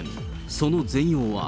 その全容は。